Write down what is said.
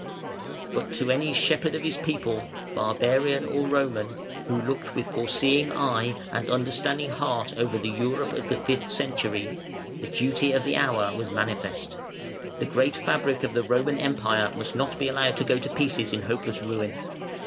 But to any "shepherd of his people", barbarian or Roman, who looked with foreseeing eye and understanding heart over the Europe of the fifth century, the duty of the hour was manifest. The great fabric of the Roman Empire must not be allowed to go to pieces in hopeless ruin.